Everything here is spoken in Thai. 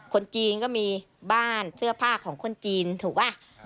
คนจีนก็มีบ้านเสื้อผ้าของคนจีนถูกป่ะ